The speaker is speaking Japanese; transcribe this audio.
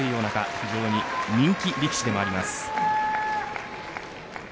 非常に人気力士でもあります。